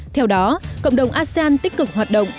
theo đó cộng đồng asean tích cực hoạt động